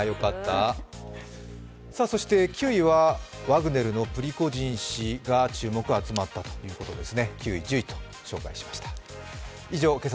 そして９位はワグネルのプリゴジン氏に注目が集まったということです。